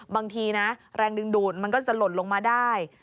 บางทีนะแรงดึงดูดมันก็จะหล่นลงมาได้